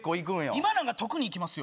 今なら特に行きますよ。